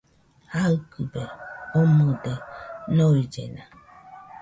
Jaɨkɨbe omɨde noillena